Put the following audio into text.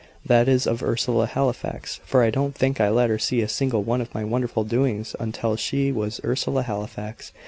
"That is, of Ursula Halifax for I don't think I let her see a single one of my wonderful doings until she was Ursula Halifax.